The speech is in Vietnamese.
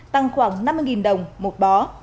tăng khoảng năm mươi đồng một bó